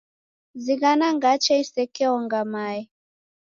Zighana ngache isekeonga mae.